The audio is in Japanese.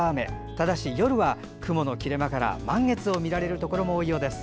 ただし、夜は雲の切れ間から満月を見られるところが多いでしょう。